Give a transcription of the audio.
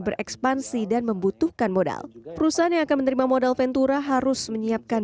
berekspansi dan membutuhkan modal perusahaan yang akan menerima modal ventura harus menyiapkan